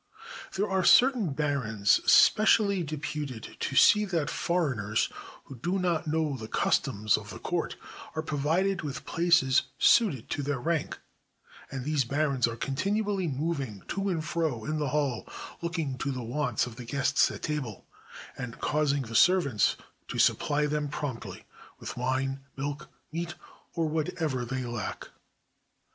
There are certain barons specially deputed to see that foreigners, who do not know the customs of the court, are provided with places suited to their rank ; and these barons are continually moving to and fro in the hall, looking to the wants of the guests at table, and causing the servants to supply them promptly with wine, milk, meat, or whatever they lack.